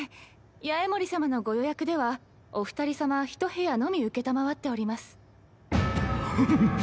八重森様のご予約ではお二人様ひと部屋のみ承っております。